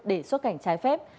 để xuất cảnh trái phép